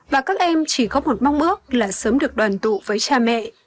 và các em chỉ có một mong ước là sớm được đoàn tụ với cha mẹ